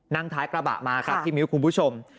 นั่งท้ายกระบะมาครับพี่มิ้วคุณผู้ชม